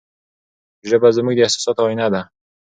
ژبه زموږ د احساساتو آینه ده.